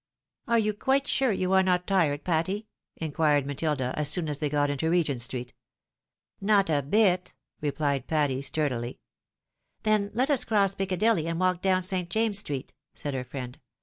"Are you quite sure you are not tired, Patty ?" inquired Matilda, as soon as they got into Regent street. " Not a bit," rephed Patty, sturdily. "Then let us cross PicoadOly, and walk down St. James's street," said her friend.